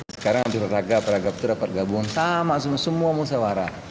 sekarang jururaga praga putra pergabung sama semua semua musawarah